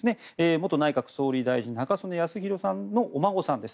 元内閣総理大臣の中曽根康弘さんのお孫さんです。